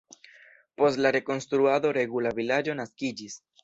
Post la rekonstruado regula vilaĝo naskiĝis.